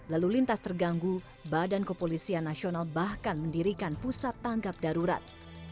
lalu lintas terganggu badan kepolisian nasional bahkan mendirikan pusat tangkap darurat